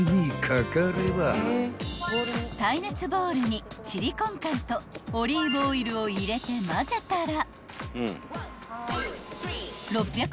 ［耐熱ボウルにチリコンカンとオリーブオイルを入れて混ぜたら］